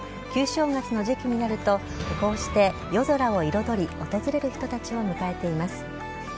旧正月の時期になると、こうして夜空を彩り、訪れる人たちを迎えています。